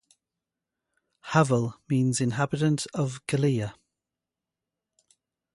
Havel means inhabitant of Gallia.